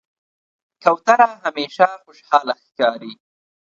کوتره همیشه خوشحاله ښکاري.